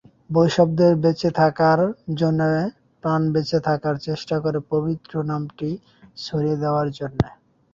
বৈষ্ণবদের বেঁচে থাকার জন্য প্রাণ বেঁচে থাকার চেষ্টা করে পবিত্র নামটি ছড়িয়ে দেওয়ার জন্য!